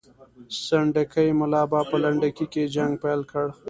سنډکي ملا به په لنډکي کې جنګ پیل کړي.